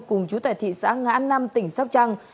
cùng chú tại thị xã ngã năm tỉnh sóc trăng